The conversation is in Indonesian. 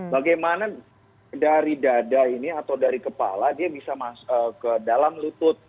bagaimana dari dada ini atau dari kepala dia bisa masuk ke dalam lutut